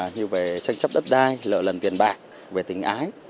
như về tranh chấp đất đai lợi lần tiền bạc về tình ái